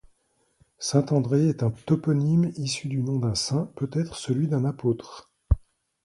Saint-André est un toponyme issu du nom d'un saint, peut être celui de l'apôtre.